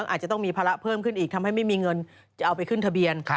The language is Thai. อาจจะต้องมีภาระเพิ่มขึ้นอีกทำให้ไม่มีเงินจะเอาไปขึ้นทะเบียน